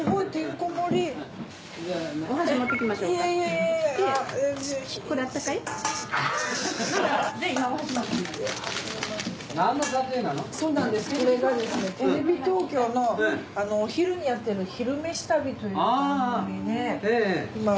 これがですねテレビ東京のお昼にやってる「昼めし旅」という番組で今。